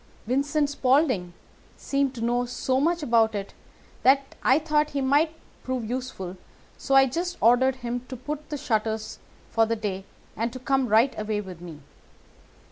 Vincent Spaulding seemed to know so much about it that I thought he might prove useful, so I just ordered him to put up the shutters for the day and to come right away with me.